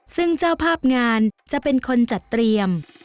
ซึ่งเจ้าภาพงานจะเป็นคนจัดเตรียม